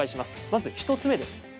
まず、１つ目です。